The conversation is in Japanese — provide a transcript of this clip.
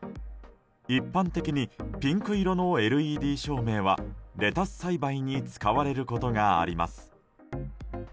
一般的にピンク色のＬＥＤ照明はレタス栽培に使われることがあります。